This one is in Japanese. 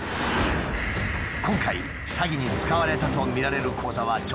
今回詐欺に使われたとみられる口座は女性の名義。